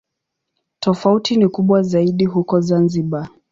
Tofauti ni kubwa zaidi huko Zanzibar.